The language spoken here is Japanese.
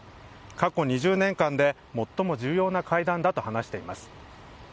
過去２０年間で最も重要な会談だと話しています。